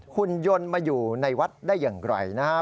หุ่นยนต์มาอยู่ในวัดได้อย่างไรนะฮะ